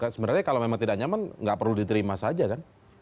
sebenarnya kalau memang tidak nyaman nggak perlu diterima saja kan